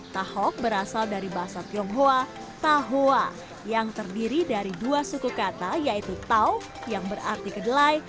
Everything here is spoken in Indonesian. tahok berasal dari bahasa tionghoa tahoa yang terdiri dari dua suku kata yaitu tau yang berarti kedelai